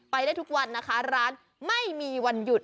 ได้ทุกวันนะคะร้านไม่มีวันหยุด